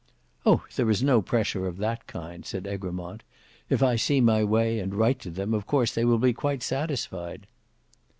"Oh! there is no pressure of that kind," said Egremont; "if I see my way, and write to them, of course they will be quite satisfied."